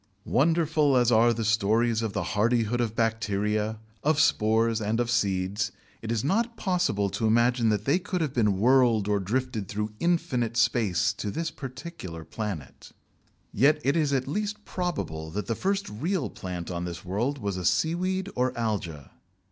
Wonderful as are the stories of the hardihood of bacteria, of spores, and of seeds, it is not possible to imagine that they could have been whirled or drifted through infinite space to this particular planet. Yet it is at least probable that the first real plant on this world was a seaweed or alga.